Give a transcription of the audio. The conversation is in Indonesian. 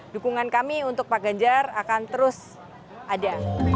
dukungan kami untuk pak ganjar akan terus ada